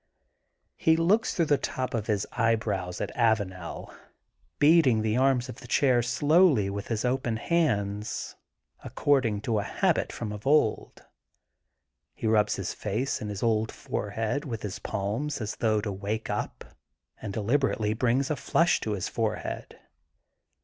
He looks through the top of his eyebrows at Avanel and he keeps time to his armchair talk, beating the arms of the chair slowly with his open hands, according to a habit from of old. He rubs his face and his old forehead with his palms as though to wake up and deliberately brings a flush to his forehead.